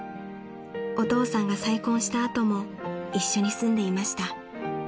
［お父さんが再婚した後も一緒に住んでいました］